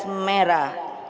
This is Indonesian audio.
dan juga ingatlah jasminya